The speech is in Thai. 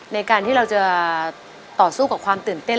ในการที่เราจะต่อสู้กับความตื่นเต้น